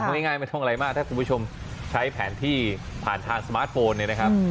ง่ายไม่ต้องอะไรมากถ้าคุณผู้ชมใช้แผนที่ผ่านทางสมาร์ทโฟนเนี่ยนะครับ